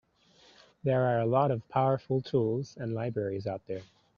There are a lot of powerful tools and libraries out there.